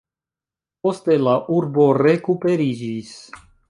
Poste la urbo rekuperiĝis.